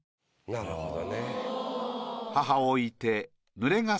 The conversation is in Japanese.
なるほど。